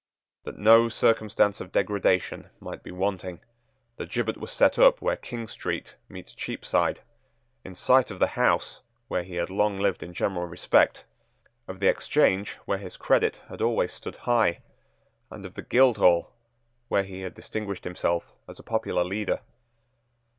That no circumstance of degradation might be wanting, the gibbet was set up where King Street meets Cheapside, in sight of the house where he had long lived in general respect, of the Exchange where his credit had always stood high, and of the Guildhall where he had distinguished himself as a popular leader.